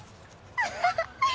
アハハッ！